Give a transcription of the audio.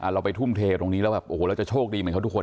เราไปทุ่มเทตรงนี้แล้วแบบโอ้โหเราจะโชคดีเหมือนเขาทุกคน